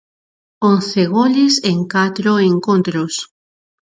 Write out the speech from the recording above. Once goles en catro encontros.